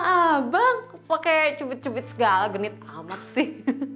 abang pakai cubit cubit segala genit amat sih